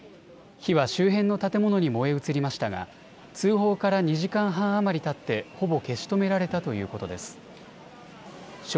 火は周辺の建物に燃え移りましたが通報から２時間半あまりたってほぼ消し止められたということです。